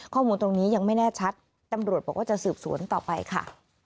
ข้อมูลตรงนี้ยังไม่แน่ชัดตำรวจบอกว่าจะสืบสวนต่อไปค่ะ